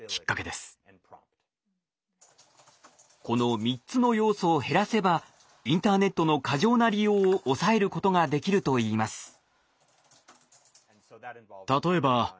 この３つの要素を減らせばインターネットの過剰な利用を抑えることができるといいます。